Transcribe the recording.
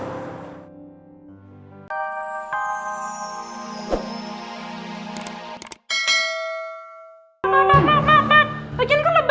bapak bapak bapak